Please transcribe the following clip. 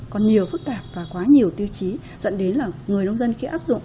còn nhiều phức tạp và quá nhiều tiêu chí dẫn đến là người nông dân khi áp dụng